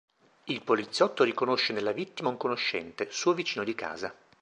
Il poliziotto riconosce nella vittima un conoscente, suo vicino di casa.